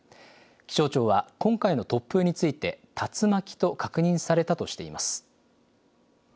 気象庁は今回の突風について竜巻と確認されたとしています。